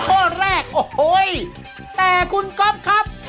โอ๊ยแต่คุณก๊อบครับ